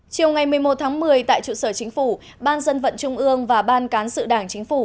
chiều ngày một mươi một tháng một mươi tại trụ sở chính phủ ban dân vận trung ương và ban cán sự đảng chính phủ